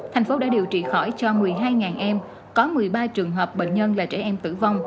thành phố đã điều trị khỏi cho một mươi hai em có một mươi ba trường hợp bệnh nhân là trẻ em tử vong